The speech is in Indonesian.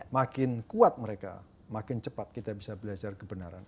makin kuat mereka makin cepat kita bisa belajar kebenaran